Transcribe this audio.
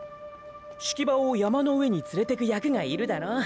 葦木場を山の上に連れてく役がいるだろ？